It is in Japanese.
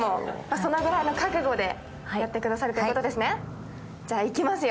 そのぐらいの覚悟でやってくださるということですね、いきますよ。